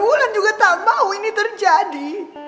bulan juga tak mau ini terjadi